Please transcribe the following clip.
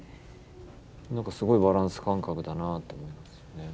何かすごいバランス感覚だなって思いますよね。